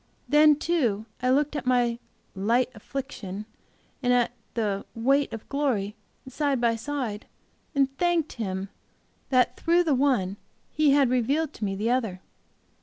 Then, too, I looked at my 'light affliction,' and at the 'weight of glory' side by side, and thanked Him that through the one He had revealed to me the other.